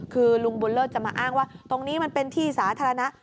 คือลุงบุญเลิศจะมาอ้างว่าตรงนี้มันเป็นที่สาธารณะ